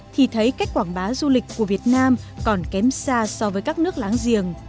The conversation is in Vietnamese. thì thấy cách quảng bá du lịch của việt nam còn kém xa so với các nước láng giềng